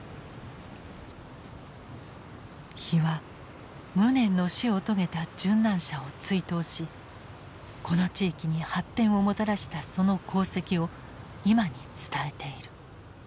碑は無念の死を遂げた殉難者を追悼しこの地域に発展をもたらしたその功績を今に伝えている。